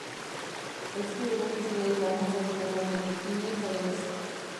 Ez diegu kideei laguntzarik ematen, inoiz ere ez.